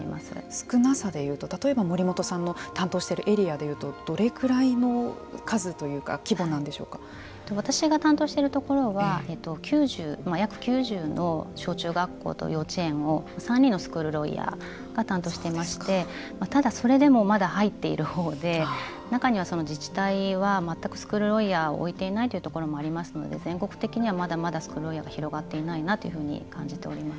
少なさでいうと例えば森本さんの担当しているエリアでいうとどれぐらいの数というか私が担当しているところは約９０の小中学校と幼稚園を３人のスクールロイヤーが担当していましてただ、それでもまだ入っているほうで中には自治体は全くスクールロイヤーを置いていないというところもありますので全国的にはまだまだスクールロイヤーは広がっていないなと感じています。